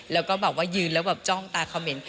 แล้วก็ยืนแล้วจ้องตาเขาเหม็น